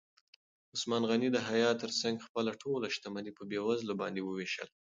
عثمان غني د حیا تر څنګ خپله ټوله شتمني په بېوزلو باندې ووېشله.